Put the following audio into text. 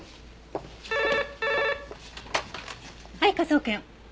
はい科捜研。